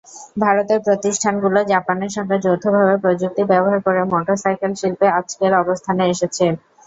ভারতের প্রতিষ্ঠানগুলো জাপানের সঙ্গে যৌথভাবে প্রযুক্তি ব্যবহার করে মোটরসাইকেল-শিল্পে আজকের অবস্থানে এসেছে।